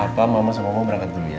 apa mama sama omong berangkat dulu ya